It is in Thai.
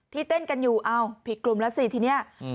เต้นกันอยู่เอ้าผิดกลุ่มแล้วสิทีนี้